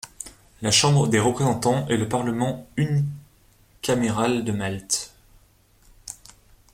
La Chambre des représentants est le Parlement unicaméral de Malte.